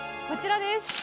こちらです。